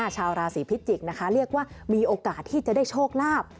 ชาวราศีพิจิกษ์นะคะเรียกว่ามีโอกาสที่จะได้โชคลาภ